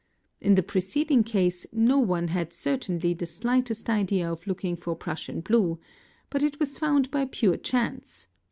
In the preceding case no one certainly had the slightest idea of looking for prussian blue, but it was found by pure chance.